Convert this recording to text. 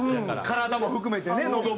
体も含めてね喉も。